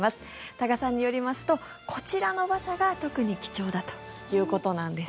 多賀さんによりますとこちらの馬車が特に貴重だということなんです。